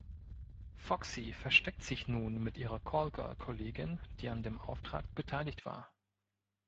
Foxy versteckt sich nun mit ihrer Callgirl-Kollegin, die an dem Auftrag beteiligt war.